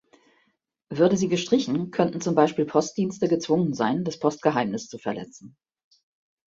Würde sie gestrichen, könnten zum Beispiel Postdienste gezwungen sein, das Postgeheimnis zu verletzen.